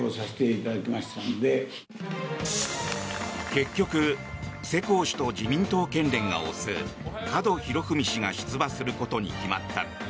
結局、世耕氏と自民党県連が推す門博文氏が出馬することに決まった。